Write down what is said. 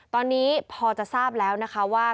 ตอนนี้พอจะทราบแล้วนะคะว่า